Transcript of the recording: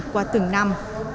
qua từng năm